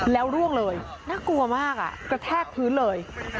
แล้วร่วงเลยน่ากลัวมากกระแทกพื้นเลย